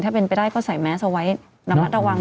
ถ้าเป็นไปได้ก็ใส่แมสเอาไว้ระมัดระวัง